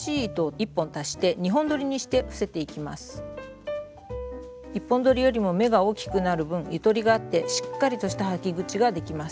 １本どりよりも目が大きくなる分ゆとりがあってしっかりとした履き口ができます。